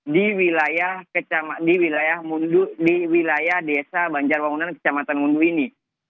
di wilayah desa banjarwangunan kecamatan mundu ini